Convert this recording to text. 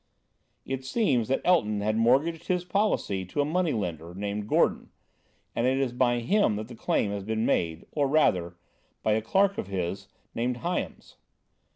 It seems that Elton had mortgaged his policy to a money lender, named Gordon, and it is by him that the claim has been made, or rather, by a clerk of his, named Hyams.